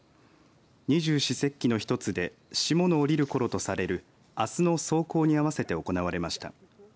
二十四節気の一つで霜のおりるころとされるあすの霜降に合わせて行われました。